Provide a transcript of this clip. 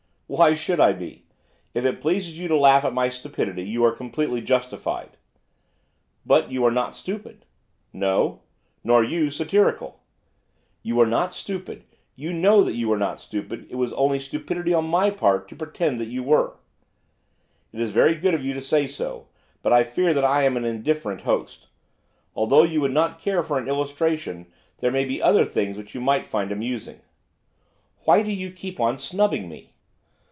'Why should I be? If it pleases you to laugh at my stupidity you are completely justified.' 'But you are not stupid.' 'No? Nor you satirical.' 'You are not stupid, you know you are not stupid; it was only stupidity on my part to pretend that you were.' 'It is very good of you to say so. But I fear that I am an indifferent host. Although you would not care for an illustration, there may be other things which you might find amusing.' 'Why do you keep on snubbing me?